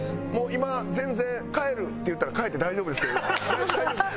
今全然「帰る」って言うたら帰って大丈夫ですけど大丈夫ですか？